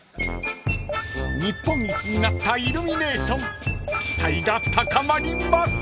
［日本一になったイルミネーション期待が高まります！］